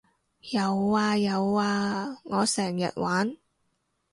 有呀有呀我成日玩